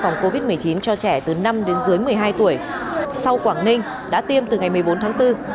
phòng covid một mươi chín cho trẻ từ năm đến dưới một mươi hai tuổi sau quảng ninh đã tiêm từ ngày một mươi bốn tháng bốn